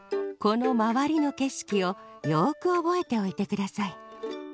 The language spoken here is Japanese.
このまわりのけしきをよくおぼえておいてください。